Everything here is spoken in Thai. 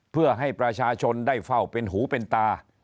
เพื่อให้ประชาชนได้เฝ้าเป็นหูเป็นตา